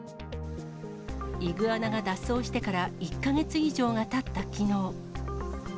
イグアナが脱走してから１か月以上がたったきのう。